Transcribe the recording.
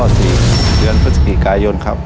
ตัวเลือกที่สี่พฤษจิกายนครับ